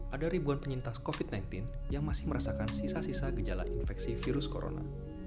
ada ribuan penyintas covid sembilan belas yang masih merasakan sisa sisa gejala infeksi virus corona